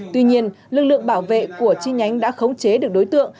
tuy nhiên lực lượng bảo vệ của chi nhánh đã khống chế được đối tượng